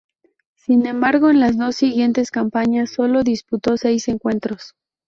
Sin embargo, en las dos siguientes campañas, sólo disputó seis encuentros.